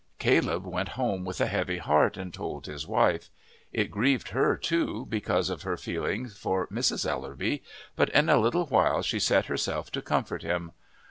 Caleb went home with a heavy heart and told his wife. It grieved her, too, because of her feeling for Mrs. Ellerby, but in a little while she set herself to comfort him.